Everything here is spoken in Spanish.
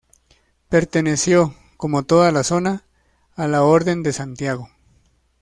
Perteneció, como toda la zona, a la Orden de Santiago.